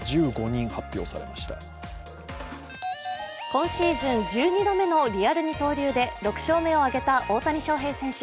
今シーズン１２度目のリアル二刀流で６勝目を挙げた大谷翔平選手。